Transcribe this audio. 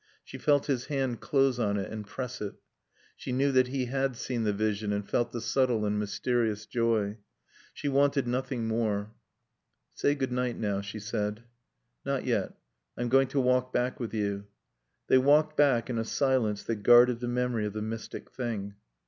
She felt his hand close on it and press it. She knew that he had seen the vision and felt the subtle and mysterious joy. She wanted nothing more. "Say good night now," she said. "Not yet. I'm going to walk back with you." They walked back in a silence that guarded the memory of the mystic thing.